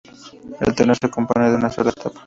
El torneo se compone de una sola etapa.